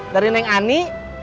dari neng ani